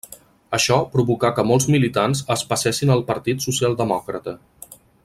Això provocà que molts militants es passessin al Partit Socialdemòcrata.